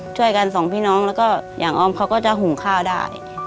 สองพี่น้องแล้วก็อย่างออมเขาก็จะหุงข้าวได้